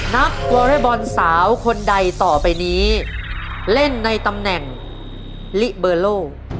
วอเรย์บอลสาวคนใดต่อไปนี้เล่นในตำแหน่งลิเบอร์โล